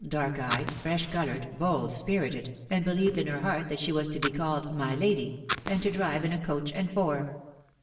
dark eyed, fresh coloured, bold spirited, and beHeved in her heart that she was to he called " my lady," and to drive in a coach and four.